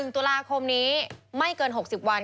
๑ตุลาคมนี้ไม่เกิน๖๐วัน